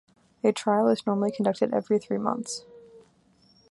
A trial was normally conducted every three months.